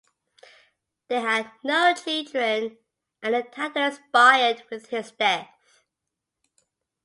They had no children and the title expired with his death.